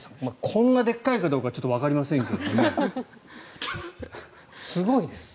こんなでっかいかどうかはちょっとわかりませんけどすごいです。